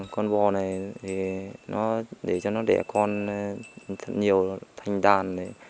con bò này để cho nó đẻ con nhiều thành đàn